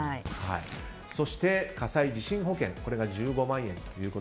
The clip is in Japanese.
そして、火災地震保険が１５万円。